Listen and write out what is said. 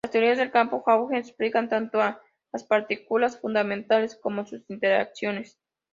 Las teorías de campo gauge explican tanto a las partículas fundamentales como sus interacciones.